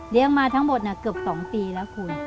มาทั้งหมดเกือบ๒ปีแล้วคุณ